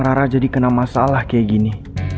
rara jadi kena masalah kayak gini